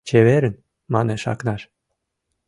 — Чеверын, — манеш Акнаш.